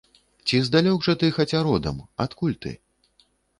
Ці здалёк жа ты хаця родам, адкуль ты?